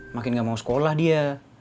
makin gak mau sekolah dia